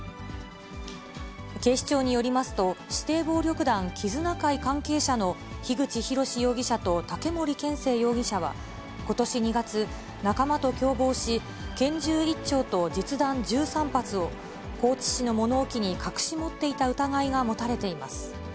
警視庁によりますと、指定暴力団絆会関係者の樋口博司容疑者と武森健生容疑者は、ことし２月、仲間と共謀し、拳銃１丁と実弾１３発を、高知市の物置に隠し持っていた疑いが持たれています。